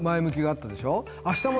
あったでしょ